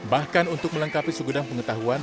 bahkan untuk melengkapi suguh dan pengetahuan